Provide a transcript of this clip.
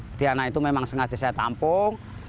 jadi anak itu memang sengaja saya tampung